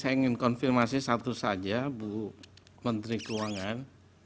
saya ingin konfirmasi satu saja bu menteri keuangan